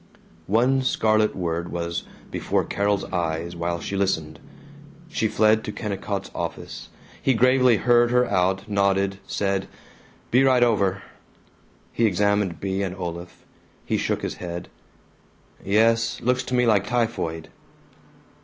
One scarlet word was before Carol's eyes while she listened. She fled to Kennicott's office. He gravely heard her out; nodded, said, "Be right over." He examined Bea and Olaf. He shook his head. "Yes. Looks to me like typhoid."